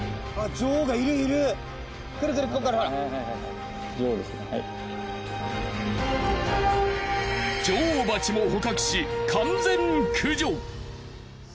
女王蜂も捕獲し完全駆除。